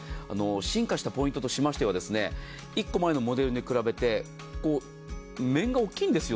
進化したポイントとしましては１個前のモデルに比べて面が大きいんです。